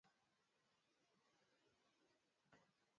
Alikuwa ni waziri wa kwanza aliyeongoza Wizara hii